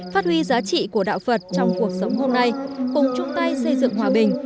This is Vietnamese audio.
phát huy giá trị của đạo phật trong cuộc sống hôm nay cùng chung tay xây dựng hòa bình